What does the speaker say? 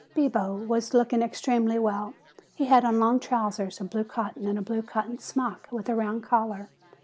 Bibo was looking extremely well. He had on long trousers of blue cotton and a blue cotton smock with a round collar.